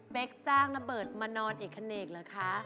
จ้างระเบิดมานอนเอกคเนกเหรอคะ